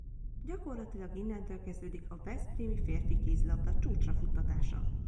Gyakorlatilag innentől kezdődik a veszprémi férfi kézilabda csúcsra futtatása.